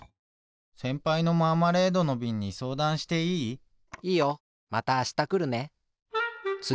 せんぱいのマーマレードのびんにそうだんしていい？いいよ。またあしたくるね。